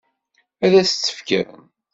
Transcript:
Ad s-tt-fken?